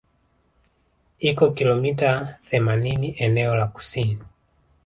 Iko kilomita themanini eneo la kusini